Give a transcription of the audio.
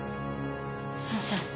先生。